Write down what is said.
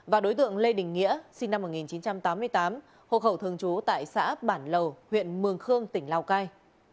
và đối tượng lê đình nghĩa sinh năm một nghìn chín trăm tám mươi tám hộ khẩu thường trú tại xã bản lầu huyện mường khương tỉnh lào cai